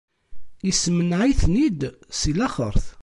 Issemneɛ-iten-id si laxert.